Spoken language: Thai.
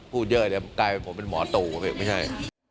พูดเยอะเดี๋ยวมันกลายเป็นหมอตูไม่ใช่